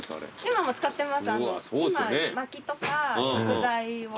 今も使ってます。